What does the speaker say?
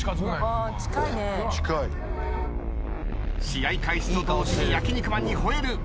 試合開始と同時に焼肉マンに吠える。